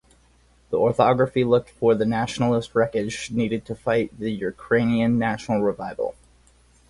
The orthography looked for the "nationalist wreckage" needed to fight the Ukrainian national revival.